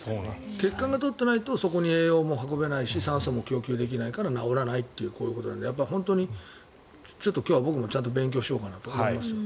血管が通ってないとそこに栄養がなくなるし酸素も運べないから治らないっていうことで本当に今日は僕もちゃんと勉強しようかなと思いますよ。